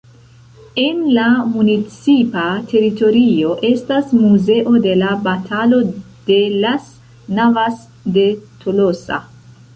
En la municipa teritorio estas Muzeo de la Batalo de las Navas de Tolosa.